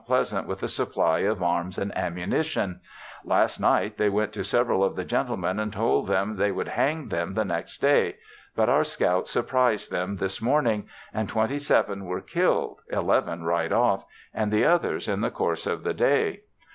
Pleasant with a supply of arms and ammunition Last night they sent to several of the gentlemen and told them they would hang them the next day, but our scouts surprised them this morning and 27 were killed, eleven right off, and the others in the course of the day.